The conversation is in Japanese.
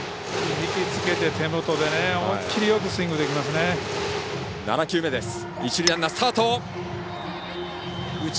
引きつけて手元で思いきりよくスイングできますね。